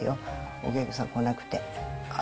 お客さん来なくて。